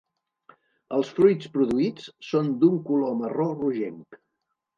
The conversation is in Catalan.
Els fruits produïts són d'un color marró rogenc.